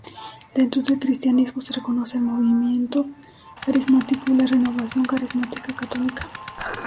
Dentro del cristianismo se reconocen el Movimiento carismático y la Renovación Carismática Católica.